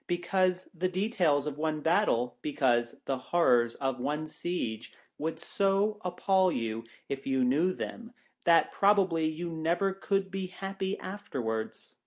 Because the details of one battle, because the horrors of one siege, would so appal you, if you knew them, that probably you never could be happy afterwards.